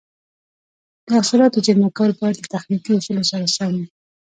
د حاصلاتو زېرمه کول باید له تخنیکي اصولو سره سم وي.